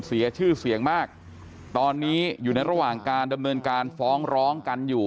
เพราะว่าอยู่ในระหว่างการฟ้องร้องกันอยู่